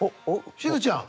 しずちゃん。